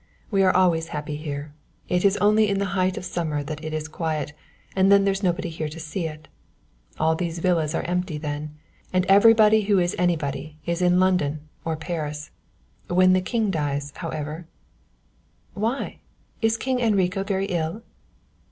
We are always happy here; it is only in the height of summer that it is quiet, and then there's nobody here to see it. All these villas are empty then, and everybody who is anybody is in London or Paris. When the king dies, however " "Why, is King Enrico very ill?"